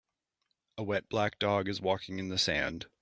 A wet black dog is walking in the sand.